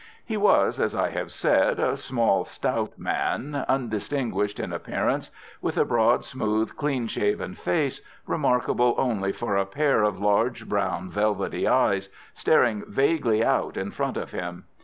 He was, as I have said, a small, stout man, undistinguished in appearance, with a broad, smooth, clean shaven face, remarkable only for a pair of large, brown, velvety eyes, staring vaguely out in front of him.